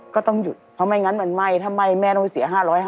ก็ต้องหยุดเพราะไม่งั้นมันไหม้ทำไมแม่ต้องไปเสีย๕๕๐